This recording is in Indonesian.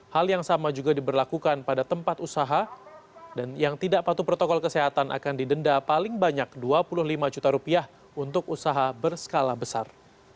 hal yang sama juga diberlakukan pada tempat usaha dan yang tidak patuh protokol kesehatan akan didenda paling banyak rp dua puluh lima juta rupiah untuk usaha berskala besar